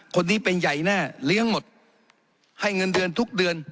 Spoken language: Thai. คนนี้เป็นใหญ่แน่เลี้ยงหมดให้เงินเดือนทุกเดือน